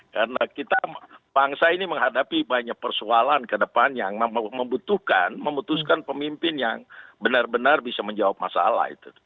karena kita bangsa ini menghadapi banyak persoalan kedepannya yang membutuhkan memutuskan pemimpin yang benar benar bisa menjawab masalah itu